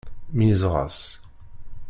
Meyyzeɣ-as.